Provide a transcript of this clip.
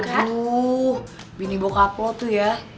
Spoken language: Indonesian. aduh bini bokap lo tuh ya